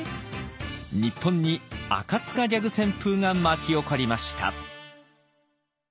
日本に赤ギャグ旋風が巻き起こりました。